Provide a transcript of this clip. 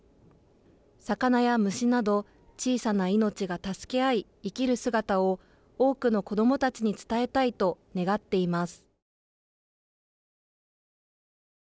魚や虫など小さな命が助け合い生きる姿を多くの子どもたちに伝えたいと願っています。